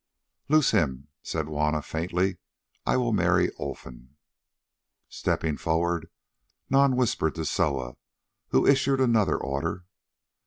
"Loose him," said Juanna faintly. "I will marry Olfan." Stepping forward, Nam whispered to Soa, who issued another order.